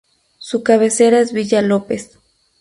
Su cabecera es Villa López.